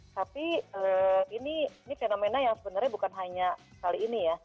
tapi ini fenomena yang sebenarnya bukan hanya kali ini ya